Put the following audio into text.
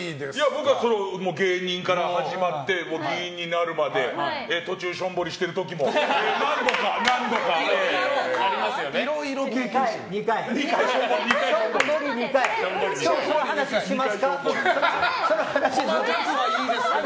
僕は芸人から始まって議員になるまで途中、しょんぼりしている時も何度かいろいろ経験しましたよね。